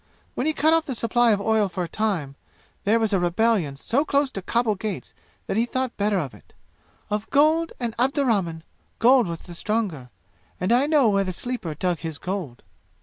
When he cut off the supply of oil for a time, there was a rebellion so close to Khabul gates that he thought better of it. Of gold and Abdurrahman, gold was the stronger. And I know where the Sleeper dug his gold!"